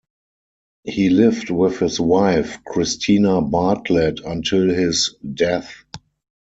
He lived with his wife Christina Bartlett until his death.